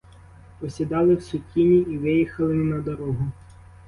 Посідали в сутіні і виїхали на дорогу.